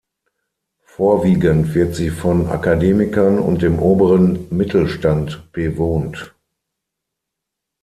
Vorwiegend wird sie von Akademikern und dem oberen Mittelstand bewohnt.